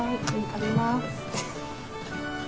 食べます。